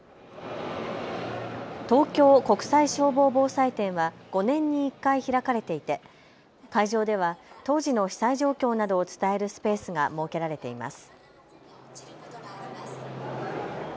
東京国際消防防災展は５年に１回開かれていて会場では当時の被災状況などを伝えるスペースが設けられています。